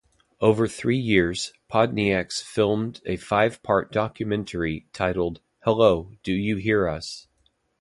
Over three years, Podnieks filmed a five-part documentary titled "Hello, do you hear us?".